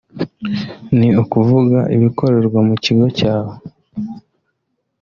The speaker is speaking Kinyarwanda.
ni ukuvuga ibikorerwa mu kigo cyawe